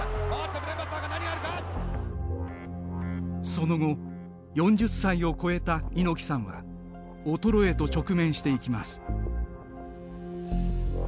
その後４０歳を越えた猪木さんは衰えと直面していきます。